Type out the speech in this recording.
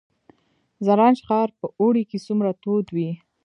زرنج ښار په اوړي کې څومره تود وي؟